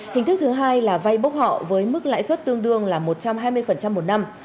hình thức thứ hai là vay bốc họ với mức lãi suất tương đương là một trăm hai mươi một năm